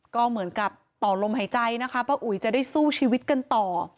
ก็เหมือนกับต่อลมหายใจนะคะป้าอุ๋ยจะได้สู้ชีวิตกันต่อ